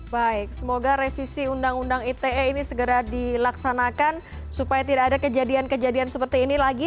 baik semoga revisi undang undang ite ini segera dilaksanakan supaya tidak ada kejadian kejadian seperti ini lagi